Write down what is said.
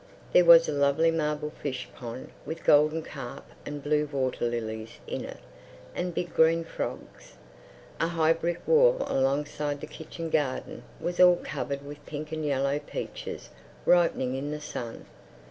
There was a lovely marble fish pond with golden carp and blue water lilies in it and big green frogs. A high brick wall alongside the kitchen garden was all covered with pink and yellow peaches ripening in the sun.